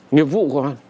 nhiệm vụ của anh